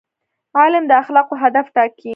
علم د اخلاقو هدف ټاکي.